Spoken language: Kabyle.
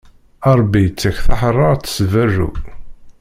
Ṛebbi ittak taḥeṛṛaṛt s berru.